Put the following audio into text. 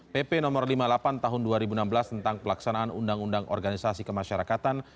pp no lima puluh delapan tahun dua ribu enam belas tentang pelaksanaan undang undang organisasi kemasyarakatan